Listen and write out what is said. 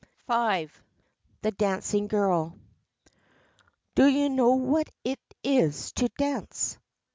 V The Dancing Girl Do you know what it is to dance?